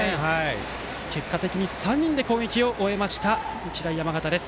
結果的に３人で攻撃を終えた、日大山形です。